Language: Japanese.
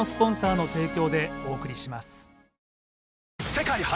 世界初！